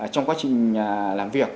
trong quá trình làm việc